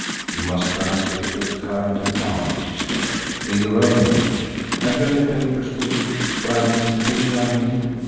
"You must transfer it to a current account," he explained, "in your own name. Have you any papers with you for identification, I mean?"